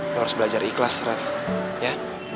lo harus belajar ikhlas ref ya